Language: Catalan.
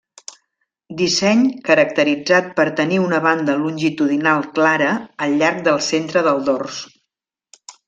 Disseny caracteritzat per tenir una banda longitudinal clara al llarg del centre del dors.